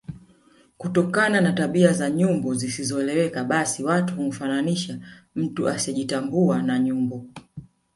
Kutokana na tabia za nyumbu zisizoeleweka basi watu humfananisha mtu asiejitambua na nyumbu